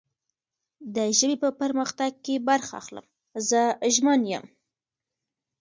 د ژبې په پرمختګ کې برخه اخلم. زه ژمن یم